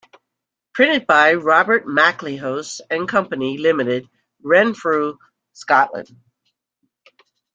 Printed by Robert MacLehose and Company Limited, Renfrew, Scotland.